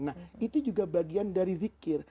nah itu juga bagian dari zikir